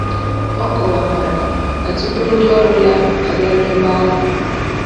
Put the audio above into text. Ọ kọwakwara na tupu ndị ọrụ ya abịaruo ebe ahụ